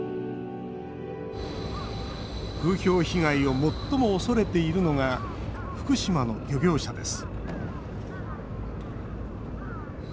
風評被害を最も恐れているのが福島の漁業者です。